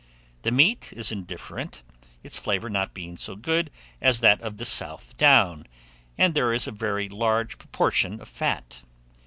The meat is indifferent, its flavour not being so good as that of the South Down, and there is a very large proportion of fat.